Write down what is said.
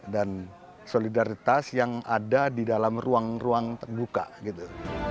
dan solidaritas yang ada di dalam ruang ruang terbuka gitu